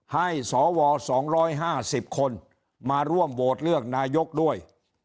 ให้สว๒๕๐คนมาร่วมโหวตเลือกนายกด้วย